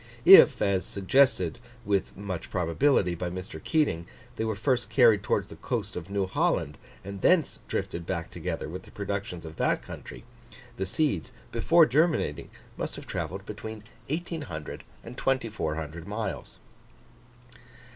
If, as suggested with much probability by Mr. Keating, they were first carried towards the coast of New Holland, and thence drifted back together with the productions of that country, the seeds, before germinating, must have travelled between 1800 and 2400 miles.